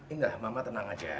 ini mama tenang aja